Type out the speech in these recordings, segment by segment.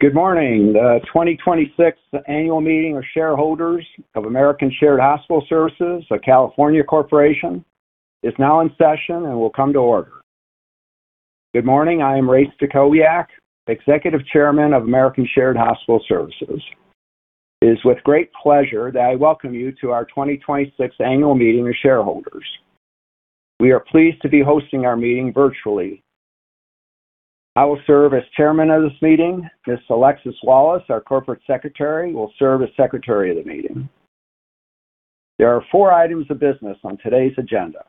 Good morning. The 2026 Annual Meeting of Shareholders of American Shared Hospital Services, a California corporation, is now in session and will come to order. Good morning. I am Ray Stachowiak, Executive Chairman of American Shared Hospital Services. It is with great pleasure that I welcome you to our 2026 Annual Meeting of Shareholders. We are pleased to be hosting our meeting virtually. I will serve as Chairman of this meeting. Ms. Alexis Wallace, our Corporate Secretary, will serve as secretary of the meeting. There are four items of business on today's agenda.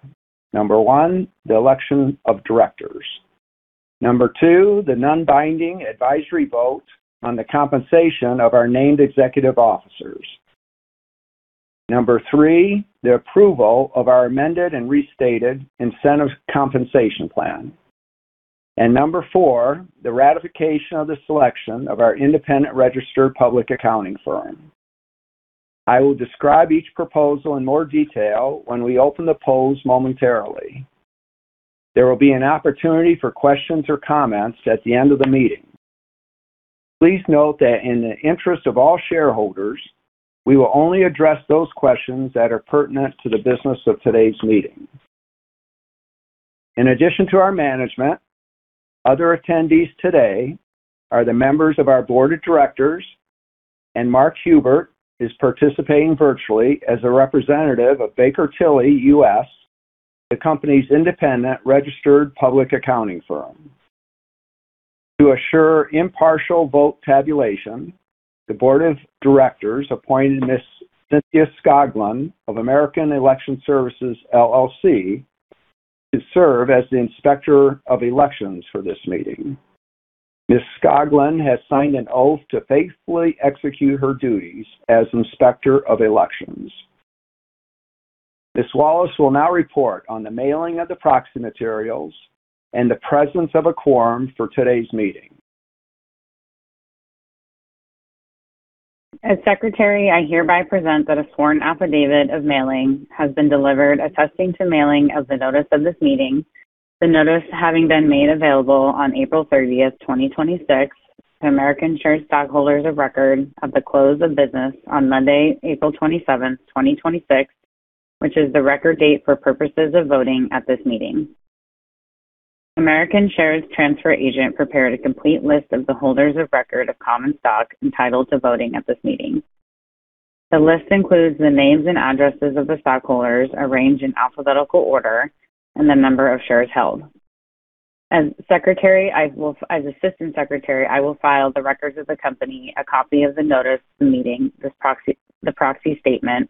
Number one, the election of Directors. Number two, the non-binding advisory vote on the compensation of our named Executive Officers. Number three, the approval of our amended and restated incentive compensation plan. Number four, the ratification of the selection of our independent registered public accounting firm. I will describe each proposal in more detail when we open the polls momentarily. There will be an opportunity for questions or comments at the end of the meeting. Please note that in the interest of all shareholders, we will only address those questions that are pertinent to the business of today's meeting. In addition to our management, other attendees today are the members of our Board of Directors, and Mark Hubert is participating virtually as a representative of Baker Tilly US, the company's independent registered public accounting firm. To assure impartial vote tabulation, the Board of Directors appointed Ms. Cynthia Skoglund of American Election Services LLC to serve as the Inspector of Elections for this meeting. Ms. Skoglund has signed an oath to faithfully execute her duties as Inspector of Elections. Ms. Wallace will now report on the mailing of the proxy materials and the presence of a quorum for today's meeting. As Secretary, I hereby present that a sworn affidavit of mailing has been delivered attesting to mailing of the notice of this meeting, the notice having been made available on April 30th, 2026, to American Shared stockholders of record at the close of business on Monday, April 27th, 2026, which is the record date for purposes of voting at this meeting. American Shared's transfer agent prepared a complete list of the holders of record of common stock entitled to voting at this meeting. The list includes the names and addresses of the stockholders arranged in alphabetical order and the number of shares held. As Assistant Secretary, I will file the records of the company, a copy of the notice of the meeting, the proxy statement,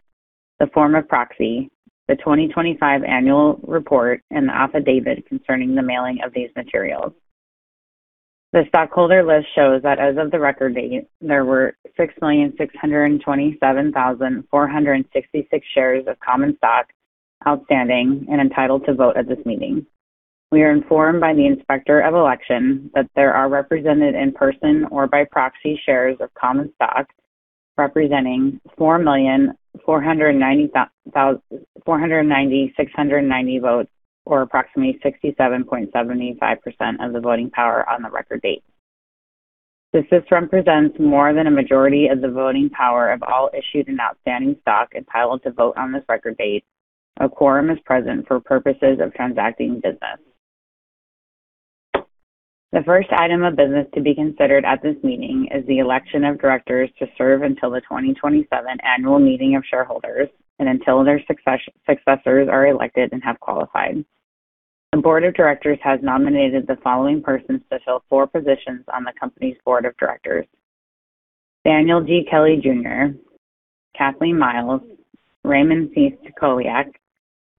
the form of proxy, the 2025 Annual Report, and the affidavit concerning the mailing of these materials. The stockholder list shows that as of the record date, there were 6,627,466 shares of common stock outstanding and entitled to vote at this meeting. We are informed by the Inspector of Election that there are represented in person or by proxy shares of common stock representing 4,490,690 votes, or approximately 67.75% of the voting power on the record date. Since this represents more than a majority of the voting power of all issued and outstanding stock entitled to vote on this record date, a quorum is present for purposes of transacting business. The first item of business to be considered at this meeting is the election of Directors to serve until the 2027 Annual Meeting of Shareholders, and until their successors are elected and have qualified. The Board of Directors has nominated the following persons to fill four positions on the company's Board of Directors: Daniel G. Kelly, Jr., Kathleen Miles, Raymond C. Stachowiak,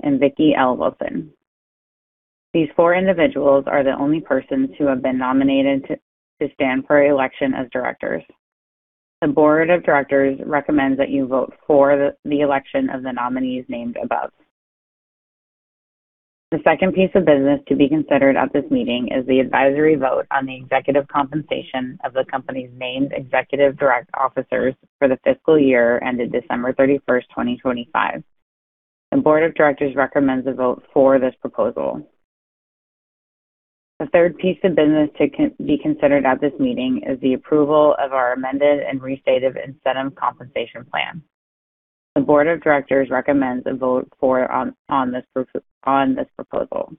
and Vicki L. Wilson. These four individuals are the only persons who have been nominated to stand for election as Directors. The Board of Directors recommends that you vote for the election of the nominees named above. The second piece of business to be considered at this meeting is the advisory vote on the executive compensation of the company's named Executive direct officers for the fiscal year ended December 31st, 2025. The Board of Directors recommends a vote for this proposal. The third piece of business to be considered at this meeting is the approval of our amended and restated incentive compensation plan. The Board of Directors recommends a vote for on this proposal.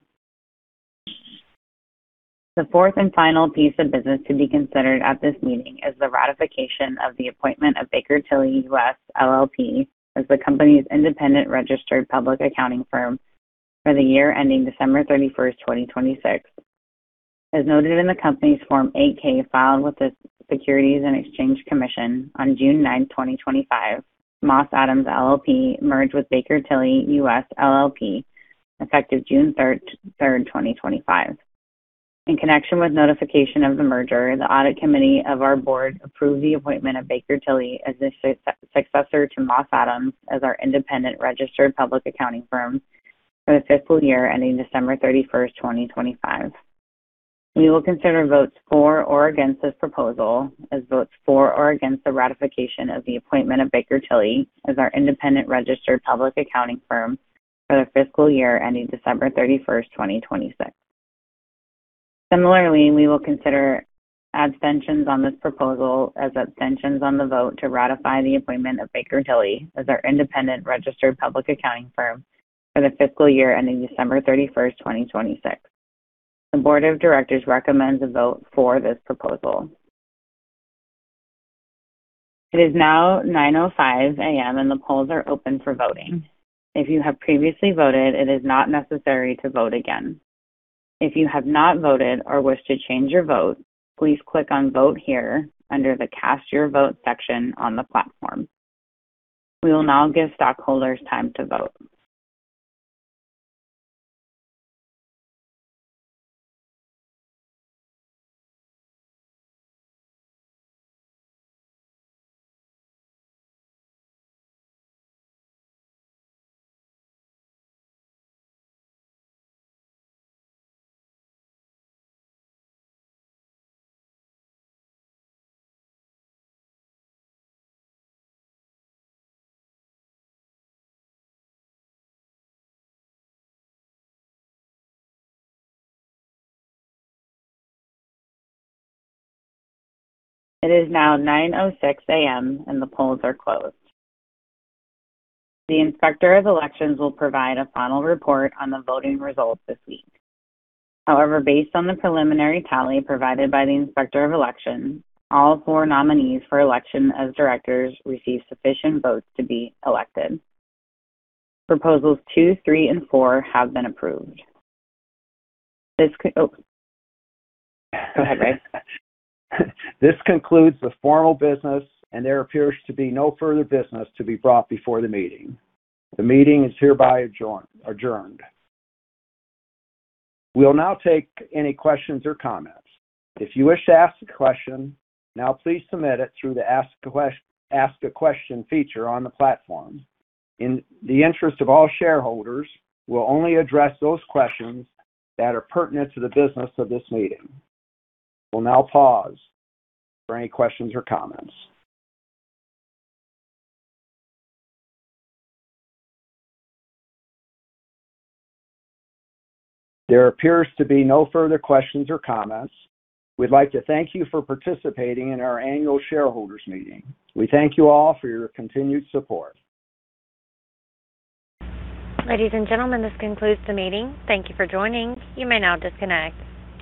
The fourth and final piece of business to be considered at this meeting is the ratification of the appointment of Baker Tilly US, LLP as the company's independent registered public accounting firm for the year ending December 31st, 2026. As noted in the company's Form 8-K filed with the Securities and Exchange Commission on June 9th, 2025, Moss Adams LLP merged with Baker Tilly US, LLP, effective June 3rd, 2025. In connection with notification of the merger, the audit committee of our Board approved the appointment of Baker Tilly as the successor to Moss Adams as our independent registered public accounting firm for the fiscal year ending December 31st, 2025. We will consider votes for or against this proposal as votes for or against the ratification of the appointment of Baker Tilly as our independent registered public accounting firm for the fiscal year ending December 31st, 2026. Similarly, we will consider abstentions on this proposal as abstentions on the vote to ratify the appointment of Baker Tilly as our independent registered public accounting firm for the fiscal year ending December 31st, 2026. The Board of Directors recommends a vote for this proposal. It is now 9:05 A.M., and the polls are open for voting. If you have previously voted, it is not necessary to vote again. If you have not voted or wish to change your vote, please click on Vote Here under the Cast Your Vote section on the platform. We will now give stockholders time to vote. It is now 9:06 A.M., and the polls are closed. The Inspector of Election will provide a final report on the voting results this week. However, based on the preliminary tally provided by the Inspector of Elections, all four nominees for election as Directors received sufficient votes to be elected. Proposals 2, 3, and 4 have been approved. Go ahead, Ray. This concludes the formal business, and there appears to be no further business to be brought before the meeting. The meeting is hereby adjourned. We will now take any questions or comments. If you wish to ask a question, now please submit it through the Ask a Question feature on the platform. In the interest of all shareholders, we'll only address those questions that are pertinent to the business of this meeting. We'll now pause for any questions or comments. There appears to be no further questions or comments. We'd like to thank you for participating in our Annual Shareholders Meeting. We thank you all for your continued support. Ladies and gentlemen, this concludes the meeting. Thank you for joining. You may now disconnect.